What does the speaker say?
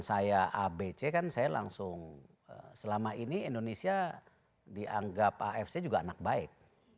saya abc kan saya langsung selama ini indonesia dianggap afc juga anak baik